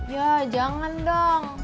ya jangan dong